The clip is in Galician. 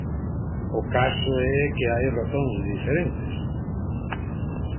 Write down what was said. O caso é que hai razóns diferentes.